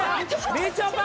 みちょぱ！